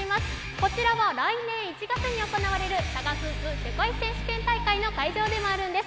こちらは、来年１月に行われるタガフープ世界選手権大会の会場でもあるんです。